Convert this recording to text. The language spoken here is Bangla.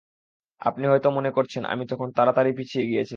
আপনি হয়তো মনে করছেন, আমি তখন তাড়াতাড়ি পিছিয়ে গিয়েছিলাম?